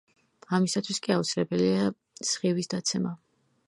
ამისათვის კი აუცილებელია სხივის დაცემა.